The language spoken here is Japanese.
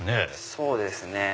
そうですね。